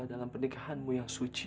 dalam pernikahanmu yang suci